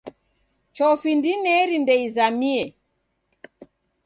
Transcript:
Chofi ndineri ndeizamie.